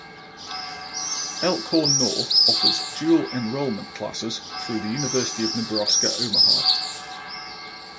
Elkhorn North offers dual enrollment classes through the University of Nebraska Omaha.